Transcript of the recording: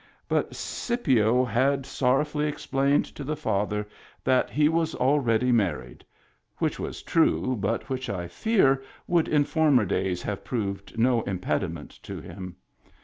But Scipio had sorrow Digitized by Google HAPPY TEETH 5^ fully explained to the father that he was already married — which was true, but which I fear would in former days have proved no impediment to him.